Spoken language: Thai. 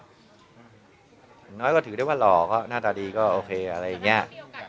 อย่างน้อยก็ถือได้ว่าหล่อก็หน้าตาดีก็โอเคอะไรอย่างนี้